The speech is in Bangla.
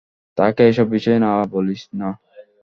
তাকে এসব বিষয়ে না বলিস না।